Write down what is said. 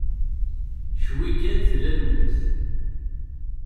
Cwi kan tella lmut.